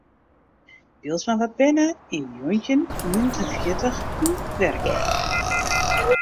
Bylsma waard berne yn njoggentjin ien en fjirtich yn Wergea.